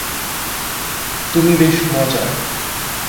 তুমি বেশ মজার।